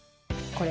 これ？